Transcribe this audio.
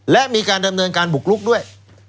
และมีการดำเนินการบุกลุกด้วย